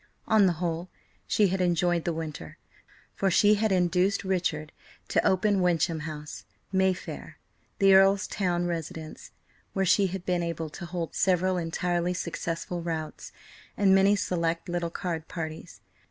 On the whole, she had enjoyed the winter, for she had induced Richard to open Wyncham House, Mayfair, the Earl's town residence, where she had been able to hold several entirely successful routs, and many select little card parties.